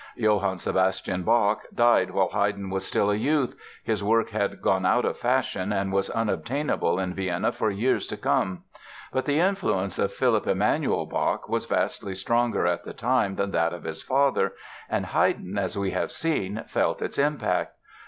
Johann Sebastian Bach died while Haydn was still a youth, his work had gone out of fashion and was unobtainable in Vienna for years to come. But the influence of Philipp Emanuel Bach was vastly stronger at the time than that of his father and Haydn, as we have seen, felt its impact.